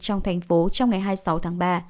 trong thành phố trong ngày hai mươi sáu tháng ba